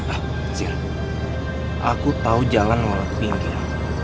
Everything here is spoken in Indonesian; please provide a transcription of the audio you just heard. ah sir aku tahu jalan walet pinggir